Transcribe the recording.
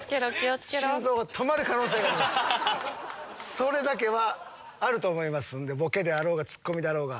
それだけはあると思いますんでボケであろうがツッコミだろうが。